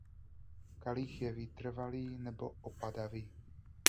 Kalich je vytrvalý nebo opadavý.